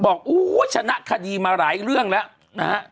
บอกโอ้ยชนะคดีมาหลายเรื่องแหละ